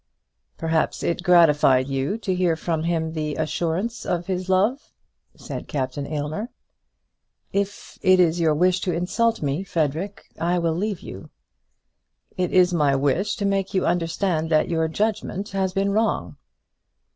"Perhaps it gratified you to hear from him the assurance of his love?" said Captain Aylmer. "If it is your wish to insult me, Frederic, I will leave you." "It is my wish to make you understand that your judgment has been wrong."